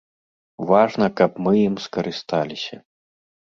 Важна, каб мы ім скарысталіся.